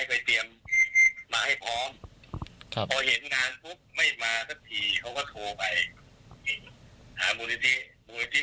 ก็เลยกลายเป็นเหตุการณ์ที่ศพตกค้างอยู่ที่นี่แบบนี้